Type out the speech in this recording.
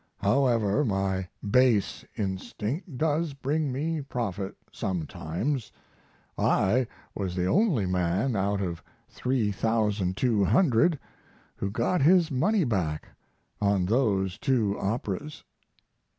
However, my base instinct does bring me profit sometimes; I was the only man out of 3,200 who got his money back on those two operas.